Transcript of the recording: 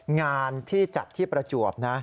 งานที่จัดที่ประจวบนะ